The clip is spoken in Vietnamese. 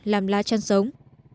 làm lá chăn sống